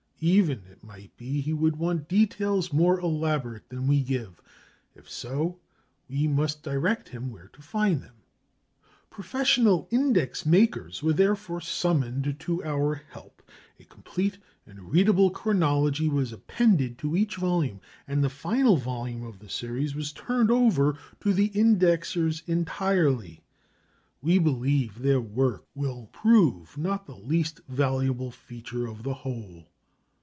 Even, it might be, he would want details more elaborate than we give. If so, we must direct him where to find them. Professional index makers were therefore summoned to our help, a complete and readable chronology was appended to each volume, and the final volume of the series was turned over to the indexers entirely. We believe their work will prove not the least valuable feature of the whole.